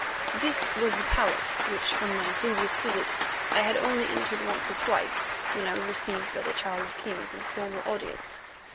This was the palace, which on my previous visit I had only entered once or twice when I was received by the Child of Kings in formal audience.